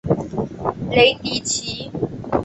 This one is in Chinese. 雷迪奇。